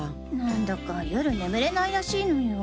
なんだか夜眠れないらしいのよ。